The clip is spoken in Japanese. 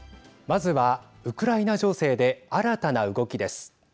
まずはウクライナ情勢で新たな動きです。